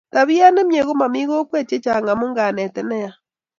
tapiet nemiee komami kokwet chechang amu kanetet neya